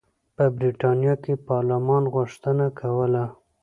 په برېټانیا کې پارلمان غوښتنه کوله.